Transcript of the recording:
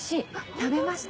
食べました？